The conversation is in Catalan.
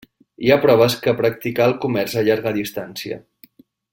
Hi ha proves que practicà el comerç a llarga distància.